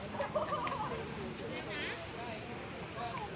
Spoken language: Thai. สวัสดีครับทุกคน